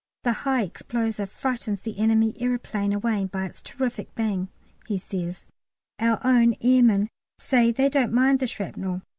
The high explosive frightens the enemy aeroplane away by its terrific bang, he says: our own airmen say they don't mind the shrapnel.